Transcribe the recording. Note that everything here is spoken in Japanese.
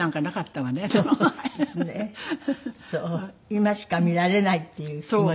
今しか見られないっていう気持ちで。